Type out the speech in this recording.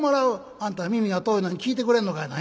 「あんた耳が遠いのに聴いてくれんのかいな。